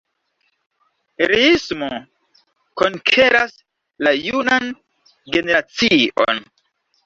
Riismo konkeras la junan generacion.